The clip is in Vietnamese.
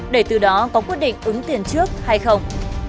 để từ đó có quyết định ứng tiền trước hay không